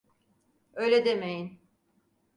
Öyle demeyin.